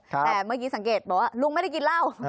แต่เมื่อกี้สังเกตบอกว่าลุงไม่ได้กินเหล้า